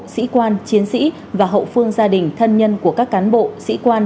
sĩ quan chiến sĩ và hậu phương gia đình thân nhân của các cán bộ sĩ quan